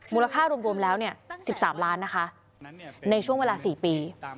มูลค่ารวมแล้ว๑๓ล้านนะคะในช่วงเวลา๔ปี